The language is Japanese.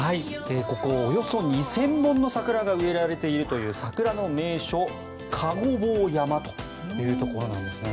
ここおよそ２０００本の桜が植えられているという桜の名所加護坊山というところなんですね。